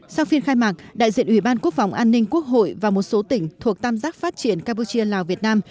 sau phiên khai mạc đại diện ủy ban quốc phòng an ninh quốc hội và một số tỉnh thuộc tam giác phát triển campuchia lào việt nam